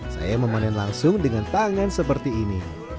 saya memanen langsung dengan tangan seperti ini